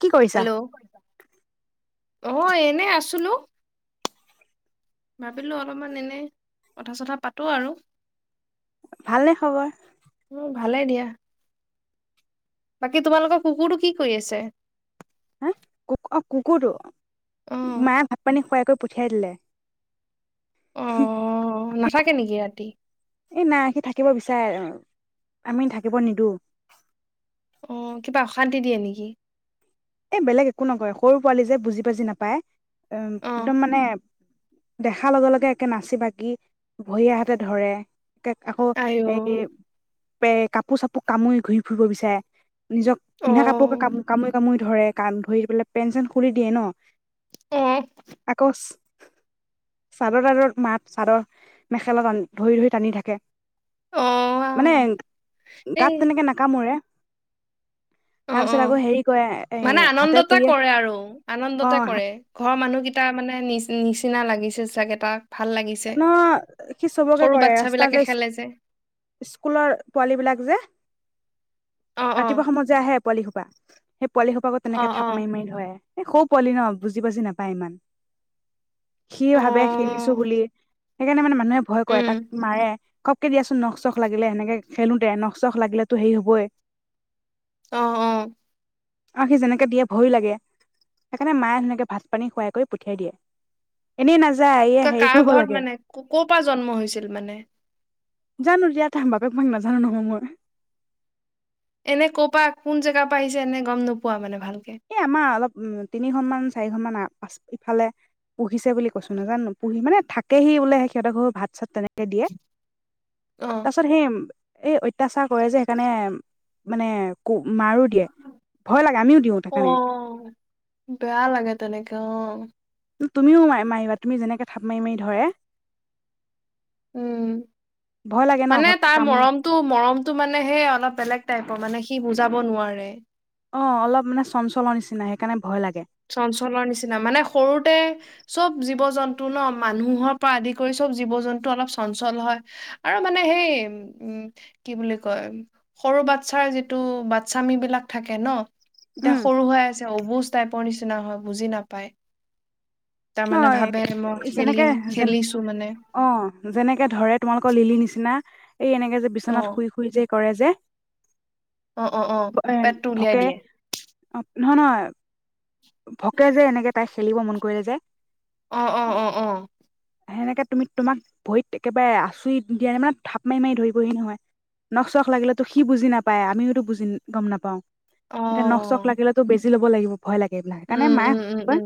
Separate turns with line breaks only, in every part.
কি কৰিছা
হেল্ল'। নহয়, এনে আছিলো। ভাবিলো অলপমান এনে, কথা চথা পাতো আৰু।
ভালনে খবৰ।
উম, ভালে দিয়া। বাকী তোমালোকৰ কুকুৰটো কি কৰি আছে।
হা, কু-ক অ' কুকুৰটো।
অ
মায়ে ভাত পানী খুৱাই পঠিয়াই দিলে।
অ', নাথাকে নেকি ৰাতি?
এই নাই সি থাকিব বিচাৰে অ'। আমি থাকিব নিদো।
অ', কিবা অশান্তি দিয়ে নেকি।
এ, বেলেগ একো নকয় সৰু পোৱালি যে বুজি বজি নাপায়। [inaudible]
অ
একদম মানে দেখাৰ লগে-লগে একে নাচি বাগি, ভৰিয়ে হাতে ধৰে। [unintelligible] আকৌ,
আই অ
এই [unintelligible] কাপোৰ-চাপোৰ কামুৰি ঘূৰি ফুৰিব বিচাৰে। নিজক
অ
পিন্ধা কাপোকে কাম-কামুৰি কামুৰি ধৰে কান ধৰি পেলাই পেন-চেন খুলি দিয়ে ন। [unintelligible] চাদৰ-তাদৰ মাত চাদৰ মেখেলা-টান ধৰি-ধৰি টানি থাকে।
অ
মানে,
এই
গাত তেনেকে নাকামোৰে।
অ অ
তাৰপাছত আকৌ হেৰি কয়ে
মানে আনন্দতে কৰে আৰু,
অ
আনন্দতে
হাত
কৰে। ঘৰৰ মানুহকেইটা মানে নি [unintelligible] নিচিনা লাগিছিল চাগে তাক। ভাল লাগিছে
ন, সি চবকে
সৰু
কৰে ৰাস্তা
বাচ্ছাবিলাকে
যে
খেলে
[inaudible] স্কুলৰ পোৱালী বিলাক যে।
অ অ
ৰাতিপুৱা সময়ত যে আহে। পোৱালি সোপা। সেই পোৱালি সোপাকো
অ
তেনেকে থাপ মাৰি-মাৰি ধৰে। এ সৰু পোৱালি ন বুজি বাজি নাপাই ইমান। সি
অ অ
ভাবে খেলিছো বুলি সেইকাৰণে মানে মানুহে ভয় কৰে
উম
তাক মাৰে ঘপকে দিয়াচোন, নখ চখ লাগিলে সেনেকে খেলোঁতে নখ চখ লাগিলেতো হেৰি হ'বই
আহ অ
আৰু সি যেনেকে ভয়য়ো লাগে, সেইকাৰণে মায়ে ধুনীয়াকে ভাত পানী খুৱাই কৰি পঠিয়াই দিয়ে এনেই নাজা যায় আহে
তাৰ ঘৰত মানে ক'ৰ পৰা জন্ম হৈছিল মানে
জানো দিয়া তম বাপেক মাক নাজানো নহয় মই
এনে ক' পৰা কোন জেগাৰ পৰা আহিছে এনে গ'ম নোপোৱা মানে ভাল
এ আমাৰ অলপ তিনিখনমান চাৰিখনমান আ প ইফালে পুহিছে বুলি কৈছো নাজানো পুহি মানে থাকে সি বোলে সিহঁতে ঘৰ ভাত চাত তেনেকে দিয়ে
অ
তাৰ পাছত সেই এই অত্যাচাৰ কৰে যে সেইকাৰণে মানে কো মাৰো দিয়ে ভয় লাগে আমিও দিওঁ তাক
অ বেয়া লাগে তেনেকে অ
তুমিও মাৰিবা, তুমি যেনেকে থাপ মাৰি মাৰি ধৰে
উম
ভয় লাগে ন
মানে
ঘপকে
তাৰ
কাম
মৰমটো মৰমটো মানে হে অলপ বেলেগ টাইপৰ মানে সি বুজাব নোৱাৰে
অ অলপ মানে চঞ্চলন নিচিনা সেইকাৰণে ভয় লাগে
চঞ্চলৰ নিচিনা মানে সৰুতে চব জীৱ জন্তু ন মানুহৰ পৰা আদি কৰি চব জীৱ জন্তু অলপ চঞ্চল হয় আৰু মানে সেই উম কি বুলি কয় সৰু বাচ্ছাৰ যিটো বাচ্ছামী বিলাক থাকে ন এতিয়া
উম
সৰু হৈ আছে অবুজ ৰ নিচিনা হয় বুজি নাপায়
ন
তাৰমানে ভাবে মই
যেনেকে
খেলিম
যে
খেলিছো মানে
অ যেনেকে ধৰে তোমালোক ক লিলি নিচিনা এই এনেকে যে
অ
বিচনাত শুই শুই যে কৰে যে
অ অ অ
এ
পেটটো উলিয়াই
ভকে
দিয়ে
নহয় নহয় ভকে যে এনেকে তাই খেলিব মন কৰিলে যে
অ অ অ অ
সেনেকে তুমি তোমাক ভৰিত একেবাৰে আচুৰি দিয়া নাই মানে থাপ মাৰি মাৰি ধৰিবহি নহয় নখ চখ লাগিলে তো সি বুজি নাপায় আমিওতো বুজি গম নাপাওঁ
অ
এতিয়া নখ চখ লাগিলেতটো বেছি ল'ব লাগিব ভয় লাগে এইবিলাক কাৰণে
উম
মায়ে
উম উম
কয়
উম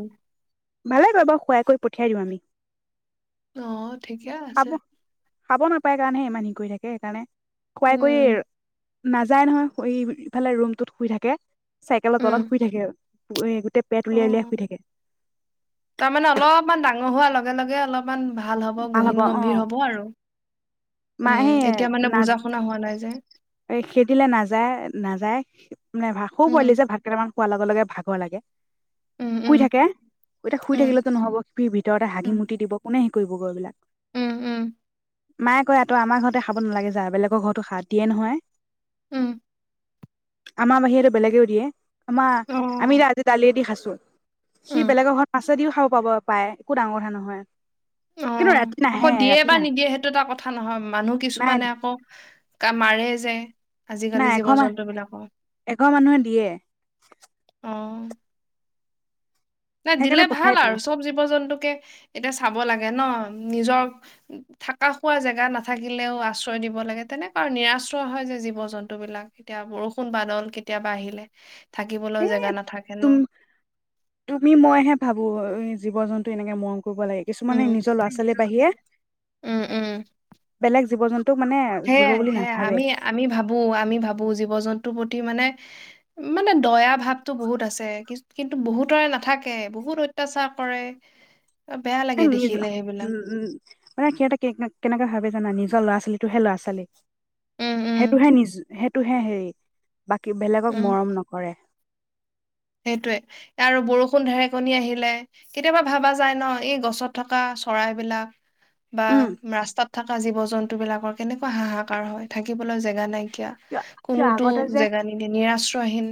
ভালে এবাৰ খোৱাকৈ পঠিয়াই দিম আমি
অ ঠিকে
খাব
আছে
খাব নাপায় কাৰণেহে ইমান হেৰি কৰি থাকে সেইকাৰণে কোৱাই
উম
কৰি নাযায় নহয় এইফালে ৰুমটোত শুই থাকে চাইকেলৰ
উম
তলত শুই থাকে আৰু [unintelligible] তে পেট উলিয়াই উলিয়াই
অ
শুই থাকে
তাৰমানে অলপমান ডাঙৰ ন হোৱাৰ লগে লগে অলপ অমান ভাল হ'ব গহীন গম্ভীৰ হ'ব আৰু
মাহে
উম এতিয়া মানে
ন
বুজা শুনা হোৱা নাই যে
খে দিলে নাযায় নাযায় মানে ভাকো
উম
পোৱালি যে ভাত কেইটামান খোৱাৰ লগে লগে ভাগৰ লাগে
উম
শুই
উম
থাকে ইতিয়া শুই
উম
থাকিলেতো নহব সি ভিতৰতে হাগি
উম
মুটি দিব কোনে হে কৰিব গৈ এইবিলাক
উম উম
মা কয়ো আমাৰ ঘৰতে খাব নালাগে য বেলেৰ ঘৰতো সাৰ দিয়ে নহয়
উম
আমাৰ বাহিৰে বেলেগেও দিয়ে
অ
আমাৰ আমি আজি দালিয়েদি খাইছো চ [unintelligible] সি
উম।
বেলেগৰ ঘৰত আছে যদিও খাব পাব পায় একো ডাঙৰ কথা নহয়
অ
কিন্তু ৰাতি
আকৌ
নাহে
দিয়ে
ৰাতি
বা
নাহে
নিদিয়ে সেইটো এটা কথা কথা নহয় মানুহ
নাই
কিছুমানে আকৌ ক মাৰে যায়
নাই এঘৰ মানুহে এঘৰ মানুহে দিয়ে
[unintelligible] নাই দিলে
সেইকাৰণে পঠিয়াই
ভাল
দিলো
আৰু চব জীৱ জন্তুকে এতিয়া চাব লাগে ন নিজৰ থকা খোৱা জেগা নাথাকিলেও আশ্ৰয় দিব লাগে তেনেকুৱা আৰু নিৰাশ্ৰয় হয় যে জীৱ জন্তু বিলাক এতিয়া বৰষুণ বাদল কেতিয়াবা আহিলে
এ
থাকিবলৈও জেগা
তুম
নাথাকেনো
তুমি মইহে ভাবো জীৱ জন্তু এনেকে মৰম শুব লাগে কিছুমানে
উম
নিজৰ ল'ৰা ছোৱালী বাহিৰে বেলেগ জীৱ জন্তু
সে সে আমি আমি ভাবো আমি ভাবো জীৱ জন্তু প্ৰতি মানে মানে দয়া ভাৱটো বহুত আছে কিন্তু বহুতৰে নাথাকে বহুত অত্যাচাৰ কৰে বেয়া লাগে
নিজ
দেখিলে সেইবিলাক
উম উম মানে খটা কে কেনেকা ভাবে জানা নিজৰ ল'ৰা ছোৱালীটোহে ল'ৰা ছোৱালী
উম উম
সেইটোহে নিজ সেইটো টো হে হেৰি বাকী বেলেগক
উম
মৰম নকৰে
সেইটোৱে আৰু বৰষুণ ঢেৰেকণী আহিলে কেতিয়াবা ভাবা যায় ন এই গছত থকা চৰাইবিলাক বা
উম
ৰাস্তাত থকা জীৱ জন্তু বিলাকৰ কেনেকুৱা হাহাকাৰ হয় থাকিবলৈ জেগা নাইক এতিয়া
কিয় কিয়
কোনোতো
আগতে যে
জেগা নিদে নিৰাশ্ৰহীন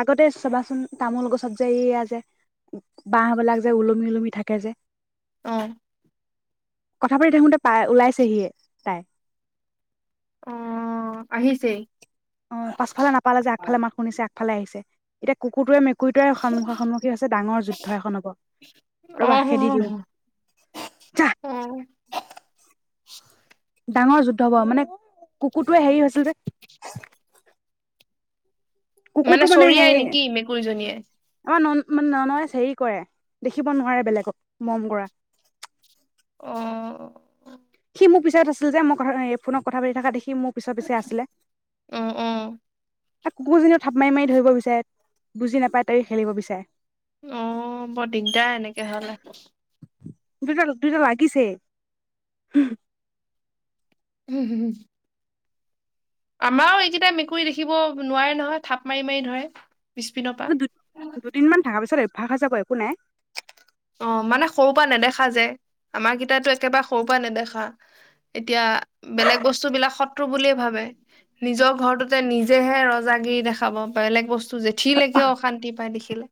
আগতে চবাচোন তামোল গছত যে এইয়া যে বাহবলাক যে ওলমি ওলমি থাকে যে
অ
কথা পাতি থাকোঁততে পাই ওলাইছেহিয়ে তাই
অ আহিছেই
অ পাছফালে নাপালে যে আগফালে মাক শুনিছে এইফালে আহিছে এতিয়া কুকুৰটোৱে মে কুইতাই সন্মুখা সন্মুখী হৈছে ডাঙৰ যুদ্ধ এখন হব
অ
ৰবা খেদি দিওঁ জাহ
অ [unintelligible]
ডাঙৰ যুদ্ধ হব মানে কুকুৰটোৱে হেৰি হৈছে ত
মানে চৰিয়াই
হেৰি
নেকি মেকুৰীজনীয়ে
আমাৰ নন মানে ন নয় হেৰি কৰে দেখিব নোৱাৰে বেলেগক মম কৰা
অ
সি মোৰ পিছত আছিল যে মই ফোনত কথা পাতি থকা দেখি সি মোৰ পিছত পিছে আছিলে
অ অ
কুকুৰজনীও থাপ মাৰি মাৰি ধৰিব বিচাৰে বুজি নাপায় তাই খেলিব বিচাৰে
অহ বৰ দিগদাৰ এনেকে হলে
দুটা দুইটা লাগিছে
উম হুম আমাৰো এইকেইটাই মেকুৰী দেখিব নোৱাৰে নহয় থাপ মাৰি মাৰি ধৰে পিছপিনৰ পৰা
দুদিনমান থকা পিছত ভাষা যাব একো নাই
অ মানে সৰুৰ পৰা নেদেখা যে আমাৰ কেইটো একেবাৰে সৰুৰ পৰা নেদেখা এতিয়া বেলেগ বস্তু বিলাক শত্ৰু বুলিয়ে ভাবে নিজৰ ঘৰটোতে নিজেহে ৰজাগিৰি দেখাব বেলেগ বস্তু জেঠিললৈকেও অশান্তি পায় দেখিলে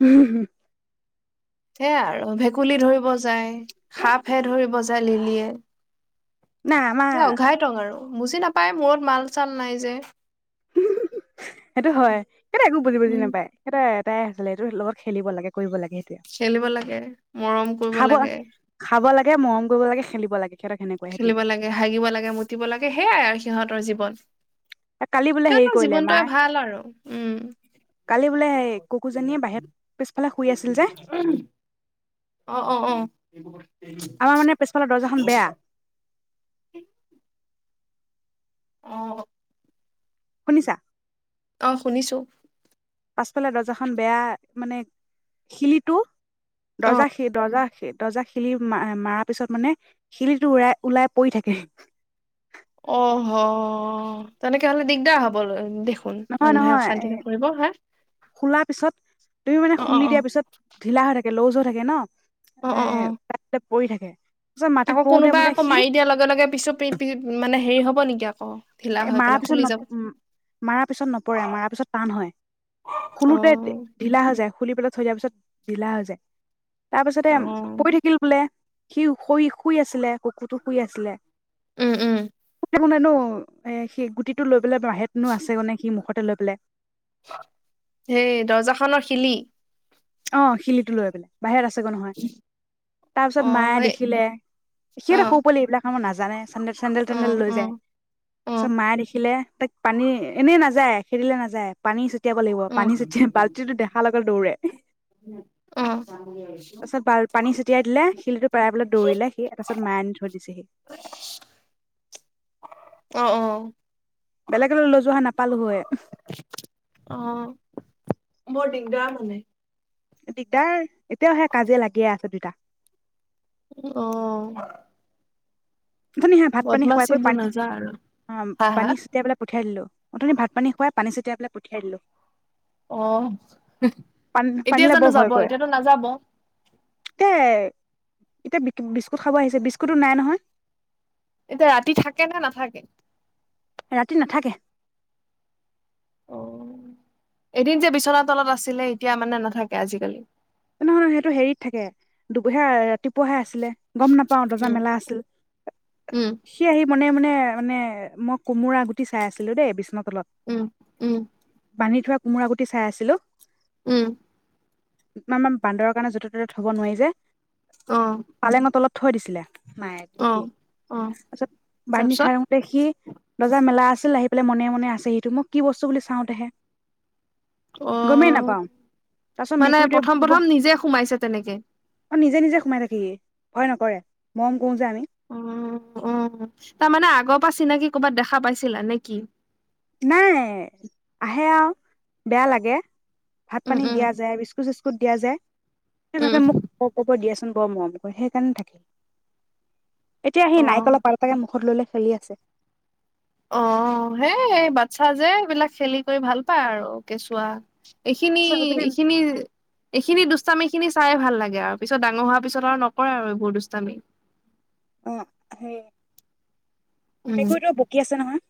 হুম
সেয়া আৰু ভেকুলী ধৰিব যায়। সাপহে ধৰিব যায় লিলিয়ে,
নাই আমাৰ
ন অঘাই টং আৰু।। বুজি নাপায় মূৰত মাল চাল নাই যে।।
সেইটো হয় [unintelligible] একো বুজি বুজি
উম
নাপায় সে এ' এটাই আছিলে এইটো লগত খেলিব লাগে কৰিব লাগে সেইটোৱে
খেলিব লাগে মৰম কৰিব
খাব
লাগে
[unintelligible] মৰম কৰিব লাগে খেলিব লাগে সিহঁতক সেনেকুৱাই সেইটোৱে
খেলিব লাগে হাগিব লাগে মুতিব লাগে সেয়াই আৰু সিহঁতৰ জীৱ বছ
এ' কালি বোলে হেৰি কৰিলে মাই
আৰু উম
কালি বোলে হ' কুকুজনীয়ে বাহিৰ পিছফালে শুই আছিল যে
অ',
আমাৰ মানে
অ',
পিছফালৰ দৰ্জাখন বেয়া
অ' [inaudible] অ'
শুনিছা
অ' শুনিছো।
পাছফালে দৰ্জাখন বেয়া মানে শিলিটো
অ
দৰ্জা শি দৰ্জা শি দৰ্জা শিলি মাৰা মাৰা পিছত মানে শিলিটো ওলা ওলাই পৰি থাকে।
অহ' হ তেনেকে হ'লে দিগদাৰ হ'ব ল
নহয় নহয় এ খুলাৰ পিছত তুমি মানে
অ অ
খুলি
অ
দিয়া পিছত ঢিলা হৈ থা কে লুজ হৈ থাকে ন'
অ অ অ
এঁ পৰি থাকে মাটিত
আকৌ
পৰোতে
কোনোবা
বোলে
আকৌ
সি
মাৰি দিয়াৰ লগে লগে পিছো পি পি মানে হেৰি হ'ব নেকি আকৌ ঢিলা
এ'
হৈ
মাৰা
পেলাই
পিছত
খুলি
ন
যাব
উম মাৰাৰ পিছত নপৰে মাৰা পিছত টান হয়
অ
খুলোতে ঢিলা হৈ যায়, খুলি পেলাই থৈ দিয়া পিছত ঢিলা হৈ যায় তাৰপিছতে
অ
ম পৰি থাকিল বোলে সি শুই শুই আছিলে কুকুৰটো শুই আছিলে
উম উম
[unintelligible] [unintelligible] নো এ সেই গুটিটো লৈ পেলাই [unintelligible] আছে গ নে সি মুখতে লৈ পেলাই
[unintelligible] হেই দৰ্জাখনৰ শিলি?
অ' শিলিটো লৈ পেলাই বাহিৰত আছে [unintelligible] নহয়, তাৰপিছত
অ
মায়ে
সেই
দেখিলে, সি
অ
এটা সৰু পোৱালি এইবিলাক কাম নাজ জানে। চেন্দে,
অ
চেণ্ডেল-টেণ্ডেল লৈ
অ
যায়,
অ
ছত মায়ে দেখিলে। তাইক পানী এনেই নাযায় খেদিলে নাযায় পানী ছ তিয়াব লাগিব।
অ
পানী ছটিয়া বাল্টিটো দেখা লগে দৌৰে
অ
তাৰপিছত বাল পানী ছটিয়াই দিলে খিলিটো পেলাই বোলে দৌৰিলে সি, তাৰপাছত মাই আনি থৈ দিছেহি।
অ', অ।
বেলেগলৈ লৈ যোৱা হয় নাপালো হয়।
অ বৰ দিগদাৰ মানে।
দিগদাৰ, এতিয়াও সে কাজিয়া লাগিয়ে আছে দুইতা।
অ
ধুনীয়া ভাত-পানী খোৱাইকৈ
বদমাচিবোৰ
পানী
নাযা আৰু
অ,
হা হা
পানী ছটিয়াই পেলাই পঠিয়াই দিলো, উঠুনি ভাত পানী খুৱাই পানী ছটিয়াই পেলাই পঠিয়াই দিলো।
অ',
পানী
এতিয়া জানো যাব, এতিয়াতো নাযাব?
কে এতিয়া বিস্কুট খাব আহিছে বিস্কুতো নাই নহয়।
এতিয়া ৰাতি থাকে নে নাথাকে?
ৰাতি নাথাকে।
অ, এদিন যে বিচনা তলত আছিলে এতিয়া মানে নাথাকে আজিকালি?
নহয়, সেইটো হেৰিত থাকে দুবিহা ৰাতিপুৱাহে আছে লে গম নাপাও দৰ্জা
উম,
মেলা আছিল,
উম,
সি আহি মনে মনে হ'য় মানে মই কোমোৰা গুটি চাই আছিলো দেই বিষ্ণু
উম,
তলত
উম,
বান্ধী থোৱা কোমোৰা গুটি চাই আছিলো।
উম।
মা মা আমাৰ বান্দৰ কাৰণে য'তে ত'তে থ'ব নোৱাৰি যে।
অ',
পালেঙ তলত থৈ দিছিলে? নাই
অ',
গোটেই,
অ',
তাৰপিছত বান্ধি
তাৰপিছত
থাওতে সি দৰ্জা মেলা আছে আছিল আহি পেলাই মনে মনে আছে সিটো, মই কি বস্তু বুলি চাওঁতেহে। গমেই
অ',
নাপাও, তাৰ পাছত
মানে প্ৰথম
মেকুৰীটোৱে-
প্ৰথম নিজে সোমাইছে তেনেকে।
অ, নিজে নিজে সোমাই থাকেহি, ভয় নকৰে মৰম কৰো যে আমি।
অ', অ তাৰমানে আগৰ পৰা চিনাকি কৰ'বাত দেখা পাইছিলা নে কি?
নাই, আহে আৰু বেয়া লাগে।
উম,
ভাত-পানী
উম,
দিয়া যায়, বিস্কুট-চিস্কুট দিয়া যায়, সেই
উম,
ভাবে মোক ক কব দি আছে বৰ মৰম কৰে সেইকাৰণে থাকিল। এতিয়া সি
অ'।
নাইকলৰ পাত কেতাকে মুখত ললে চলি আছে।
অ, সেই বাচ্ছা যে এইবিলাক খেলি কৰি ভাল পায় আৰু কেঁচুৱা। এইখিনি,
চব ইপিনে
এইখিনি, এইখিনি দুষ্টমী খিনি চাই ভাল লাগে আৰু পিছত ডাঙৰ হোৱা পিছত আৰু নকৰে আৰু এইবোৰ দুষ্টামী।
অ', সেই
উম
মেকুৰীতো ভোকী আছে নহয়।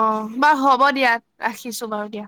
অ', বা হ'ব দিয়া। ৰাখিছোঁ বাৰু দিয়া।